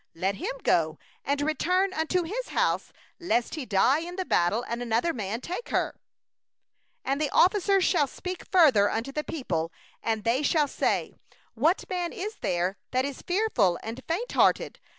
let him go and return unto his house, lest he die in the battle, and another man take her.' 8And the officers shall speak further unto the people, and they shall say: 'What man is there that is fearful and faint hearted?